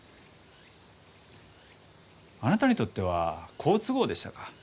あなたにとっては好都合でしたか？